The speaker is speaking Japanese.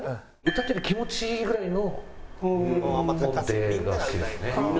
歌ってて気持ちいいぐらいの音程が好きですね。